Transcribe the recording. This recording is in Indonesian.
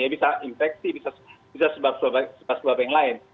bisa infeksi bisa sebab sebab yang lain